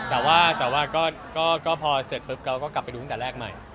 แต่ว่าก็พอเสร็จปุ๊บเราก็กลับไปดูตั้งแต่แรกใหม่